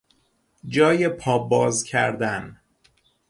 جای پا باز کردن